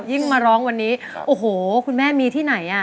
มาร้องวันนี้โอ้โหคุณแม่มีที่ไหนอ่ะ